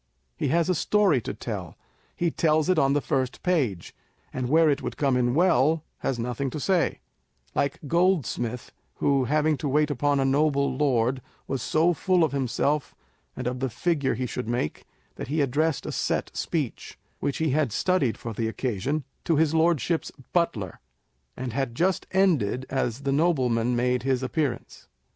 He has a story to tell : he tells it in the first page, and where it would come in well, has nothing to say ; like Goldsmith, who having to wait upon a Noble Lord, was so full of himself and of the figure he should make, that he addressed a set speech, which he had studied for the occasion, to his Lordship's butler, and had just ended as the nobleman made his appearance.